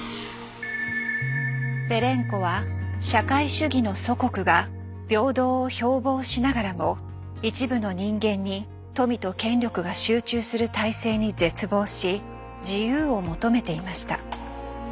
ベレンコは社会主義の祖国が平等を標ぼうしながらも一部の人間に富と権力が集中する体制に絶望し自由を求めていました。